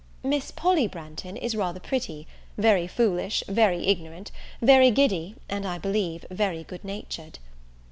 Miss Polly Branghton is rather pretty, very foolish, very ignorant, very giddy, and, I believe, very good natured.